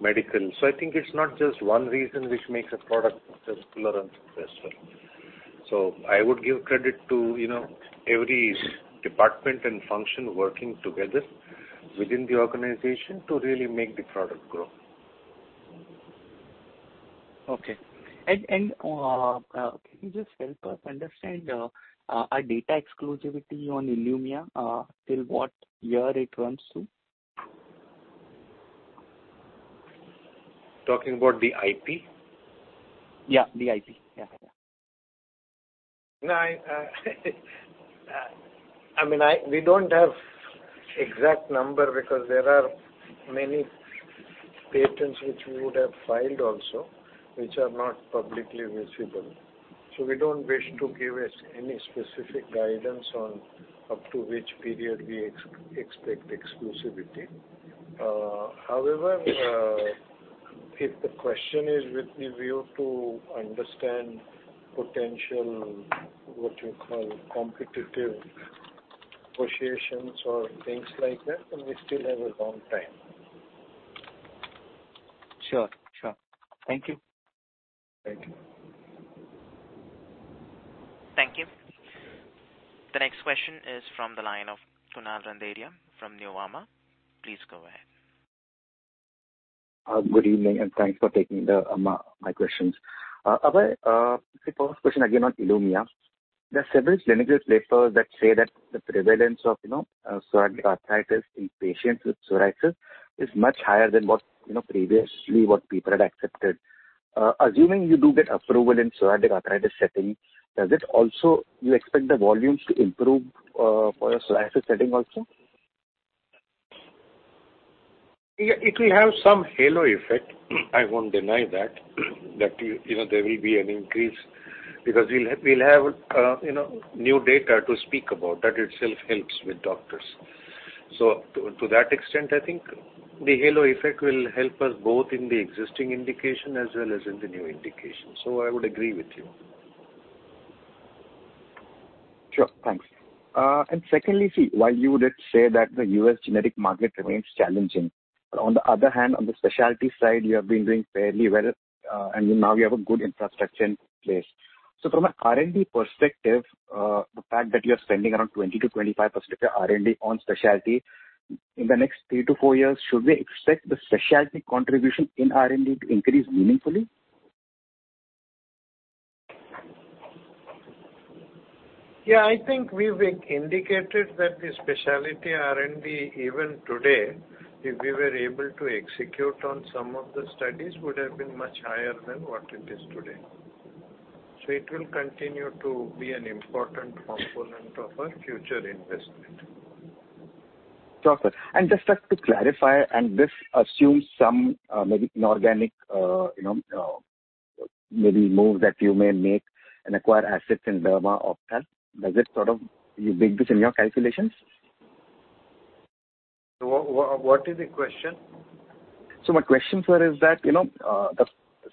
medical. I think it's not just one reason which makes a product successful or unsuccessful. I would give credit to, you know, every department and function working together within the organization to really make the product grow. Can you just help us understand our data exclusivity on ILUMYA till what year it runs to? Talking about the IP? The IP. No, I mean, we don't have exact number because there are many patents which we would have filed also, which are not publicly visible. So we don't wish to give any specific guidance on up to which period we expect exclusivity. However, if the question is with the view to understand potential, what you call competitive associations or things like that, then we still have a long time. Sure. Sure. Thank you. Thank you. Thank you. The next question is from the line of Kunal Randeria from Nuvama. Please go ahead. Good evening, and thanks for taking my questions. Abhay, the first question again on ILUMYA. There are several clinical papers that say that the prevalence of, you know, psoriatic arthritis in patients with psoriasis is much higher than what, you know, people had previously accepted. Assuming you do get approval in psoriatic arthritis setting, you expect the volumes to improve for your psoriasis setting also? It will have some halo effect. I won't deny that. That, you know, there will be an increase because we'll have you know, new data to speak about. That itself helps with doctors. So to that extent, I think the halo effect will help us both in the existing indication as well as in the new indication. So I would agree with you. Sure. Thanks. Secondly, see, while you did say that the US generics market remains challenging, but on the other hand, on the specialty side, you have been doing fairly well, and now you have a good infrastructure in place. From an R&D perspective, the fact that you're spending around 20%-25% of your R&D on specialty, in the next 3-4 years, should we expect the specialty contribution in R&D to increase meaningfully? I think we've indicated that the specialty R&D, even today, if we were able to execute on some of the studies, would have been much higher than what it is today. It will continue to be an important component of our future investment. Sure, sir. Just have to clarify, this assumes some maybe inorganic, you know, maybe move that you may make and acquire assets in derma, ophthal. Does it sort of bake this in your calculations? What is the question? My question, sir, is that, you know,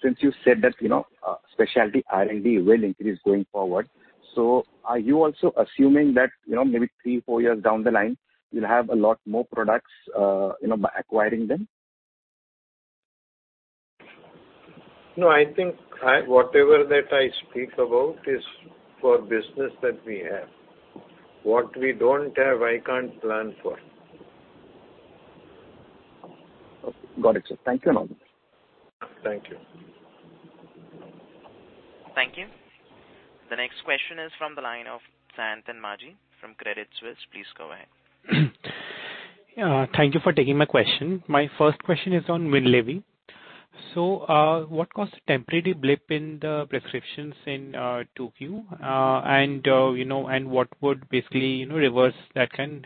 since you said that, you know, specialty R&D will increase going forward, so are you also assuming that, you know, maybe three, four years down the line you'll have a lot more products, you know, by acquiring them? No, I think whatever that I speak about is for business that we have. What we don't have, I can't plan for. Okay. Got it, sir. Thank you. Thank you. Thank you. The next question is from the line of Sayantan Maji from Credit Suisse. Please go ahead. Thank you for taking my question. My first question is on WINLEVI. What caused the temporary blip in the prescriptions in 2Q, and you know, and what would basically you know, reverse that can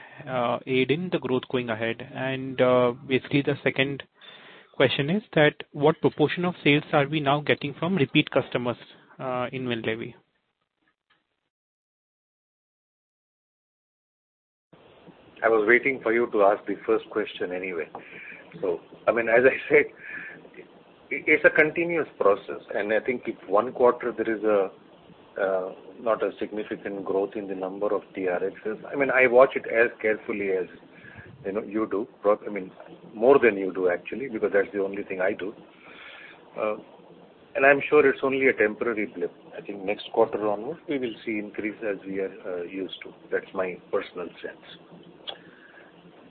aid in the growth going ahead? Basically the second question is that what proportion of sales are we now getting from repeat customers in WINLEVI? I was waiting for you to ask the first question anyway. I mean, as I said, it's a continuous process, and I think if one quarter there is a not a significant growth in the number of TRXs, I mean, I watch it as carefully as, you know, you do, I mean, more than you do actually, because that's the only thing I do. I'm sure it's only a temporary blip. I think next quarter onwards we will see increase as we are used to. That's my personal sense.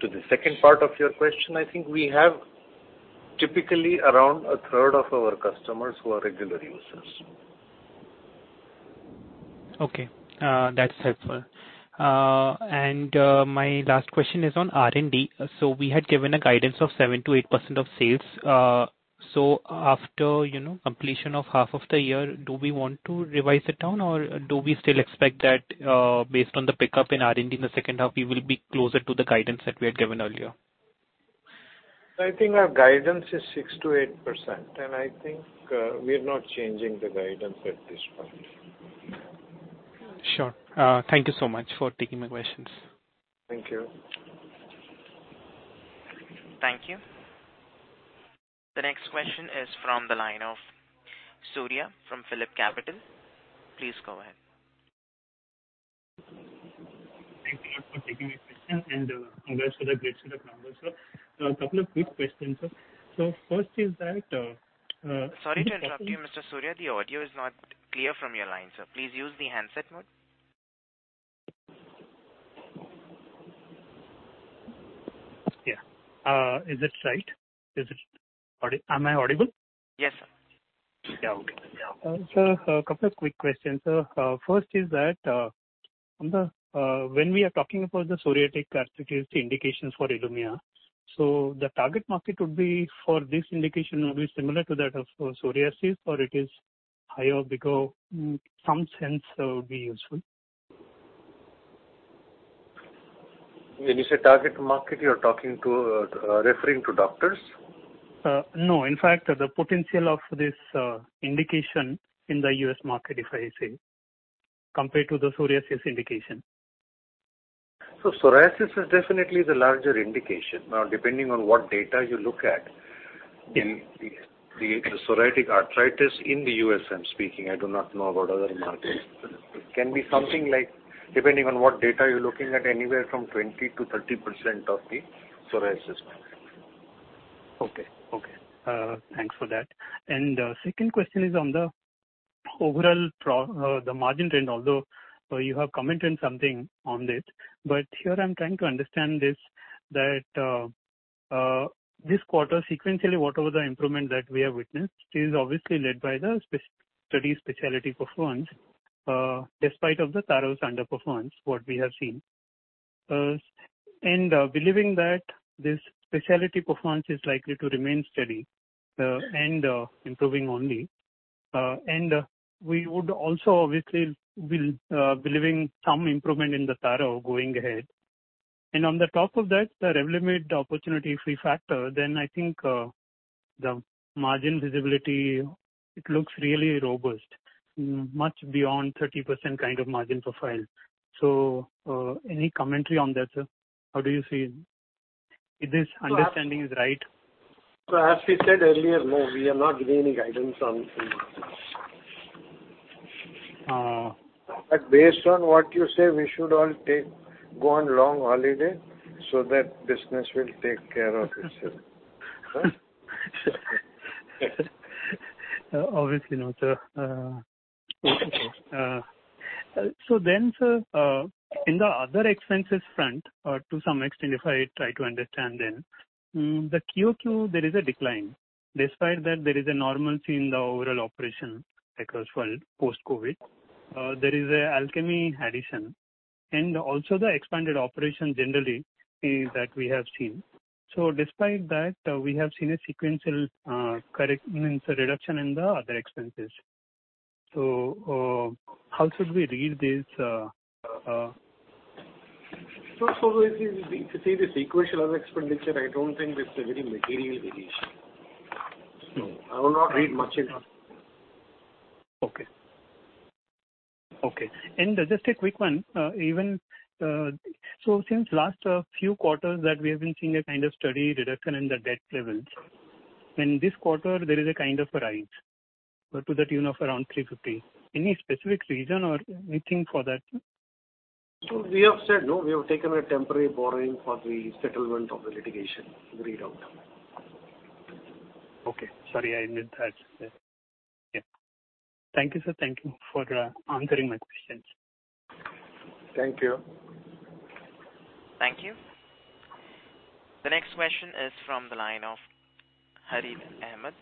To the second part of your question, I think we have typically around a third of our customers who are regular users. Okay. That's helpful. My last question is on R&D. We had given a guidance of 7%-8% of sales. After, you know, completion of half of the year, do we want to revise it down or do we still expect that, based on the pickup in R&D in the second half we will be closer to the guidance that we had given earlier? I think our guidance is 6%-8%, and I think we're not changing the guidance at this point. Sure. Thank you so much for taking my questions. Thank you. Thank you. The next question is from the line of Surya from PhillipCapital. Please go ahead. Thank you a lot for taking my question, and, congrats for the great set of numbers, sir. A couple of quick questions, sir. First is that, Sorry to interrupt you, Mr. Surya. The audio is not clear from your line, sir. Please use the handset mode. Is it right? Am I audible? Yes, sir. Sir, a couple of quick questions, sir. First is that, on the when we are talking about the psoriatic arthritis indications for ILUMYA, so the target market would be for this indication will be similar to that of psoriasis or it is higher? Because some sense would be useful. When you say target market, you're talking to, referring to doctors? No. In fact, the potential of this indication in the U.S. market, if I say, compared to the psoriasis indication. Psoriasis is definitely the larger indication. Now, depending on what data you look at, in the psoriatic arthritis in the U.S. I'm speaking, I do not know about other markets, can be something like, depending on what data you're looking at, anywhere from 20%-30% of the psoriasis market. Okay. Thanks for that. Second question is on the overall margin trend, although you have commented something on it, but here I'm trying to understand this, that, this quarter sequentially, whatever the improvement that we have witnessed is obviously led by the specialty performance, despite of the Taro's underperformance, what we have seen. Believing that this specialty performance is likely to remain steady, and improving only, and we would obviously will, believing some improvement in the Taro going ahead. On the top of that, the Revlimid opportunity if we factor, then I think, the margin visibility, it looks really robust, much beyond 30% kind of margin profile. Any commentary on that, sir? How do you see it? If this understanding is right. As we said earlier, no, we are not giving any guidance on that. Based on what you say, we should all go on long holiday so that business will take care of itself. Obviously not, sir. Of course. In the other expenses front, to some extent if I try to understand, the QOQ there is a decline. Despite that there is a normalcy in the overall operation across world post-COVID. There is an Alchemee addition and also the expanded operation generally is that we have seen. Despite that, we have seen a sequential means a reduction in the other expenses. How should we read this? If you see the sequential of expenditure, I don't think it's a very material deviation. No. I will not read much into it. Just a quick one. Since last few quarters that we have been seeing a kind of steady reduction in the debt levels, in this quarter there is a kind of a rise to the tune of around 350. Any specific reason or anything for that? We have said no, we have taken a temporary borrowing for the settlement of the litigation readout. Okay. Sorry, I missed that. Thank you, sir. Thank you for answering my questions. Thank you. Thank you. The next question is from the line of Harith Ahamed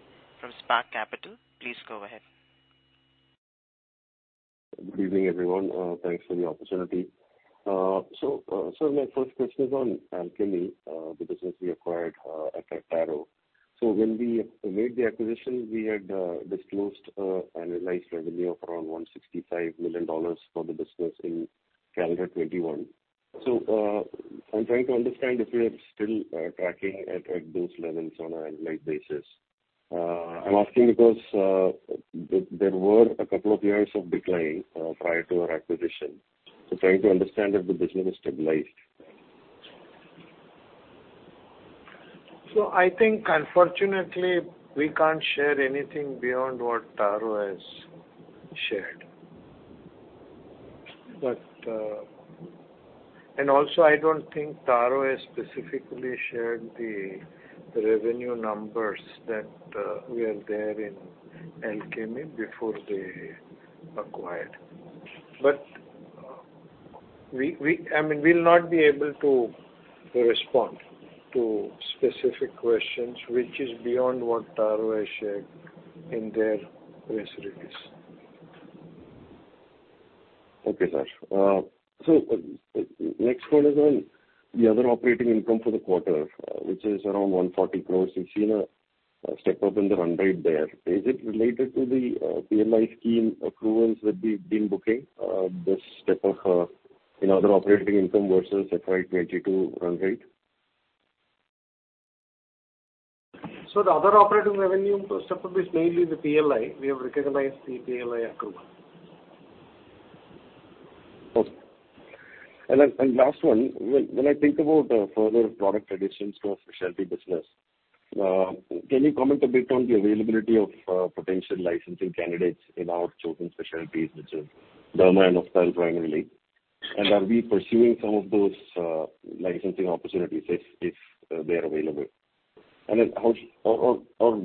from Spark Capital. Please go ahead. Good evening, everyone. Thanks for the opportunity. My first question is on Alchemee, the business we acquired at Taro. When we made the acquisition, we had disclosed annualized revenue of around $165 million for the business in calendar 2021. I'm trying to understand if we are still tracking at those levels on an annual basis. I'm asking because there were a couple of years of decline prior to our acquisition. Trying to understand if the business is stabilized. I think unfortunately we can't share anything beyond what Taro has shared. I don't think Taro has specifically shared the revenue numbers that were there in Alchemee before they acquired. I mean, we'll not be able to respond to specific questions which is beyond what Taro has shared in their press release. Okay, sir. Next one is on the other operating income for the quarter, which is around 140 crores. We've seen a step up in the run rate there. Is it related to the PLI scheme approvals that we've been booking, this step up in other operating income versus FY 2022 run rate? The other operating revenue step up is mainly the PLI. We have recognized the PLI accrual. Okay. Last one. When I think about further product additions to our specialty business, can you comment a bit on the availability of potential licensing candidates in our chosen specialties, which is derma and ophthalm primarily? Are we pursuing some of those licensing opportunities if they are available? How or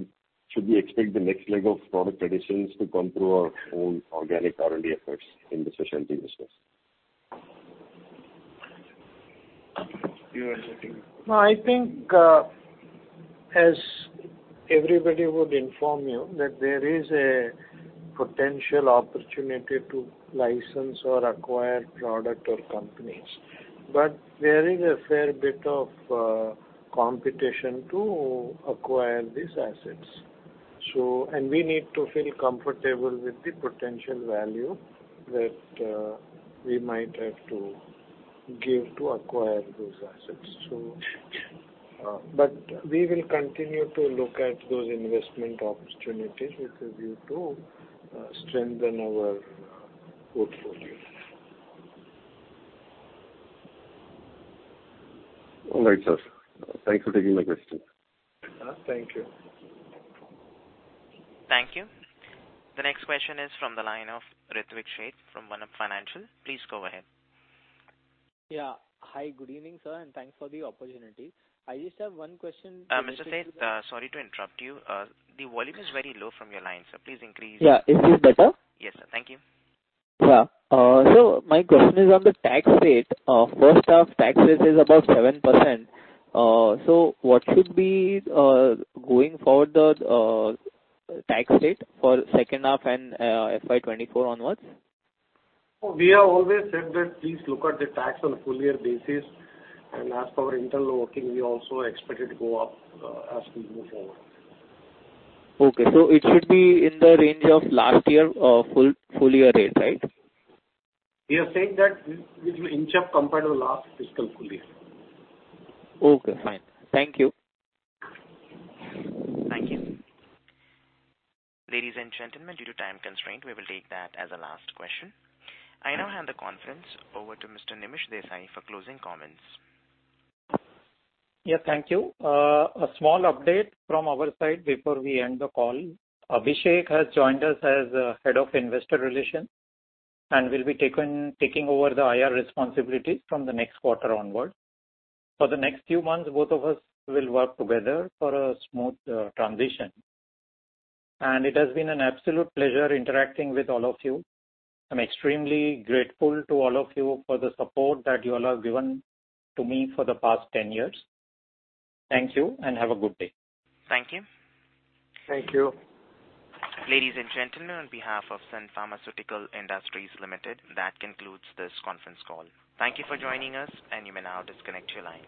should we expect the next leg of product additions to come through our own organic R&D efforts in the specialty business? You want to take it? No, I think, as everybody would inform you, that there is a potential opportunity to license or acquire product or companies. There is a fair bit of competition to acquire these assets. We need to feel comfortable with the potential value that we might have to give to acquire those assets. We will continue to look at those investment opportunities with a view to strengthen our portfolio. All right, sir. Thanks for taking my questions. Thank you. Thank you. The next question is from the line of Ritvik Sheth from One-Up Financial. Please go ahead. Hi. Good evening, sir, and thanks for the opportunity. I just have one question. Mr. Sheth, sorry to interrupt you. The volume is very low from your line, so please increase. Is this better? Yes, sir. Thank you. My question is on the tax rate. First half tax rate is about 7%. What should be going forward the tax rate for second half and FY 2024 onwards? We have always said that please look at the tax on a full-year basis, and as per our internal working, we also expect it to go up, as we move forward. Okay. It should be in the range of last year full year rate, right? We are saying that it will inch up compared to the last fiscal full year. Okay, fine. Thank you. Thank you. Ladies and gentlemen, due to time constraint, we will take that as a last question. I now hand the conference over to Mr. Nimish Desai for closing comments. Thank you. A small update from our side before we end the call. Abhishek has joined us as Head of Investor Relations and will be taking over the IR responsibilities from the next quarter onward. For the next few months, both of us will work together for a smooth transition. It has been an absolute pleasure interacting with all of you. I'm extremely grateful to all of you for the support that you all have given to me for the past 10 years. Thank you, and have a good day. Thank you. Thank you. Ladies and gentlemen, on behalf of Sun Pharmaceutical Industries Limited, that concludes this conference call. Thank you for joining us, and you may now disconnect your line.